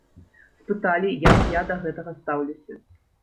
Спыталі, як я да гэтага стаўлюся.